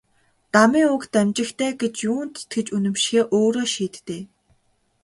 Дамын үг дамжигтай гэж юунд итгэж үнэмшихээ өөрөө шийд дээ.